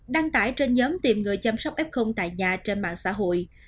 đăng tải trên nhóm tìm người chăm sóc f tại nhà trên mạng xã hội